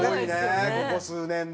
ここ数年で。